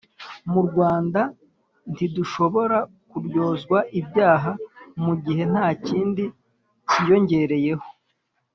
mu Rwanda ntidushobora kuryozwa ibyaba mu gihe nta kindi kiyongereyeho